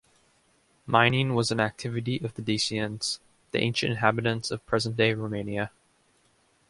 Mining was an activity of the Dacians, the ancient inhabitants of present-day Romania.